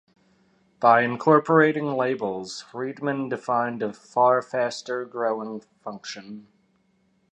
By incorporating labels, Friedman defined a far-faster growing function.